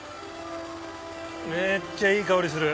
めっちゃいい香りする。